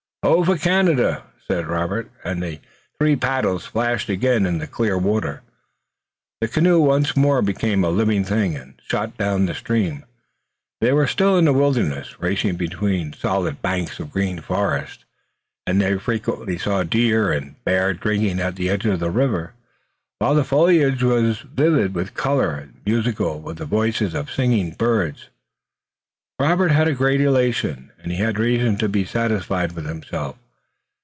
"Ho for Canada!" said Robert, and the three paddles flashed again in the clear water. The canoe once more became a live thing and shot down the stream. They were still in the wilderness, racing between solid banks of green forest, and they frequently saw deer and bear drinking at the edge of the river, while the foliage was vivid with color, and musical with the voices of singing birds. Robert had a great elation and he had reason to be satisfied with himself.